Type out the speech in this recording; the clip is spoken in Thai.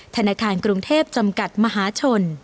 ธนาคารกรุงเทพจำกัดมหาชน